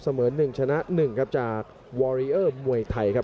เสมอหนึ่งชนะหนึ่งครับจากวอเรอร์เหมือยไทยครับ